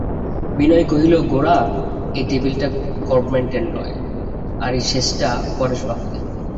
বিনয় কহিল, গোরা, এ টেবিলটা গবর্মেন্টের নয়, আর এই শেজটা পরেশবাবুদের।